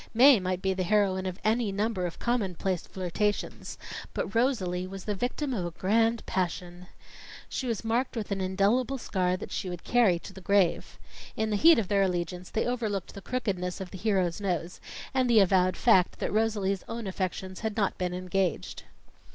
Mae might be the heroine of any number of commonplace flirtations, but Rosalie was the victim of a grande passion. She was marked with an indelible scar that she would carry to the grave. In the heat of their allegiance, they overlooked the crookedness of the hero's nose and the avowed fact that Rosalie's own affections had not been engaged.